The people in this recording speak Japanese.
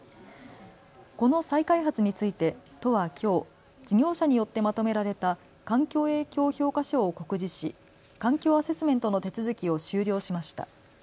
この再開発について都はきょう事業者によってまとめられた環境影響評価書を告示し環境アセスメントの手続きを終了しました。